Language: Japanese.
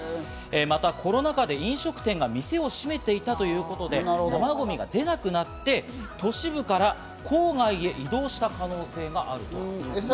またコロナ禍で飲食店が店を閉めていたということで、生ゴミが出なくなって、都市部から郊外へ移動した可能性があるということです。